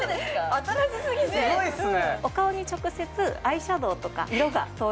新しすぎてすごいっすね！